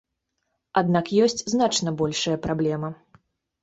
Аднак ёсць значна большая праблема.